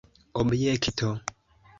objekto